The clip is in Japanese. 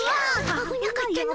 あぶなかったの。